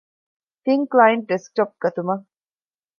ތިން ކްލައިންޓް ޑެސްކްޓޮޕް ގަތުމަށް